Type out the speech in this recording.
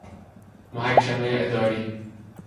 محکمه اداری